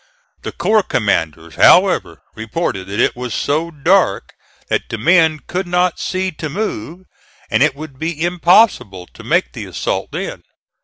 The corps commanders, however, reported that it was so dark that the men could not see to move, and it would be impossible to make the assault then.